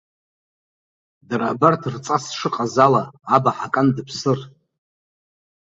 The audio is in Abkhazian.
Дара абарҭ рҵас шыҟаз ала, аб аҳакан дыԥсыр.